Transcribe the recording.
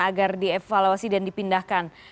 agar di evaluasi dan dipindahkan